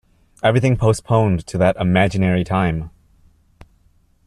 Everything postponed to that imaginary time!